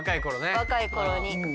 若い頃に。